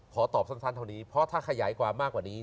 ขอตอบสั้นเท่านี้เพราะถ้าขยายความมากกว่านี้